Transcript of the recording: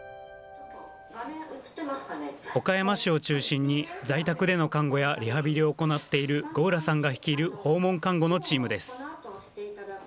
岡山市を中心に在宅での看護やリハビリを行っている吾浦さんが率いる訪問看護のチームです。